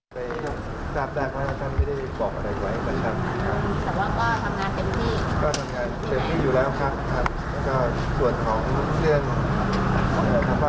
สิ่งที่ผมอยากมาก็จะเป็นเพื่อนเป็นผู้ที่พอทำตอนหน้างานที่ผู้สำเร็จมากก็ทำผิดและคะ